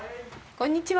こんにちは。